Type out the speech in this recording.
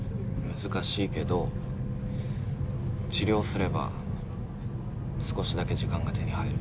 難しいけど治療すれば少しだけ時間が手に入るって。